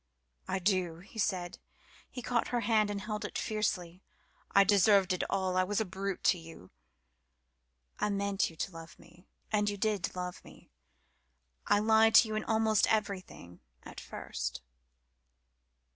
"I do," he said. He caught her hand and held it fiercely. "I deserved it all. I was a brute to you." "I meant you to love me and you did love me. I lied to you in almost everything at first."